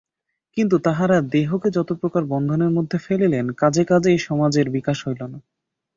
কিন্তু তাঁহারা দেহকে যতপ্রকার বন্ধনের মধ্যে ফেলিলেন, কাজে কাজেই সমাজের বিকাশ হইল না।